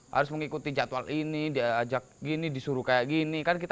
harus mengikuti jadwal ini diajak ke sekolah dan lain lain